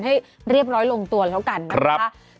ให้เรียบร้อยลงตัวแล้วกันนะคะ